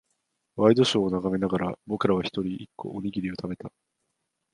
ワイドショーを眺めながら、僕らは一人、一個、おにぎりを食べた。